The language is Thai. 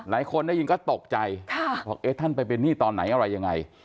หลายคนได้ยินก็ตกใจบอกเอ๊ะท่านไปเป็นหนี้ตอนไหนอะไรยังไง